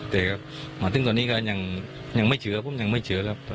แต่ตอนนี้ก็ยังไม่เชื้อผมยังไม่เชื้อแล้ว